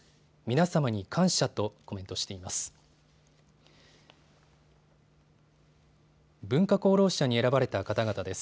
皆様に感謝とコメントしています。